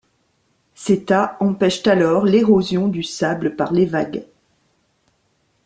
Ces tas empêchent alors l'érosion du sable par les vagues.